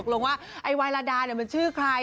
ก็ตกลงว่าไอ้วายลาดาเนี่ยมันชื่อใคร